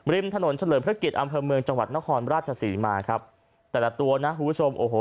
ริมถนนเฉลิมพระเกียรติอำเภอเมืองจังหวัดนครราชศรีมาครับแต่ละตัวนะคุณผู้ชมโอ้โห